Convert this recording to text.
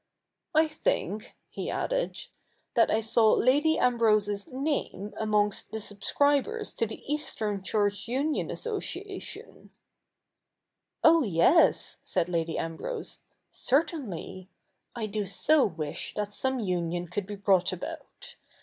I think,' he added, ' that I saw Lady Ambrose's name amongst the subscribers to the Eastern Church Union Association." 166 THE NEW REPUBLIC [i:k. hi 'Oh )cs," said Lady Ambrose, 'certainl} . 1 do so wish that some union could be brought about.